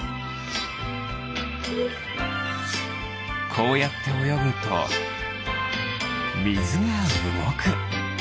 こうやっておよぐとみずがうごく。